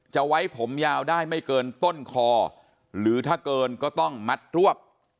ไว้ผมยาวได้ไม่เกินต้นคอหรือถ้าเกินก็ต้องมัดรวบ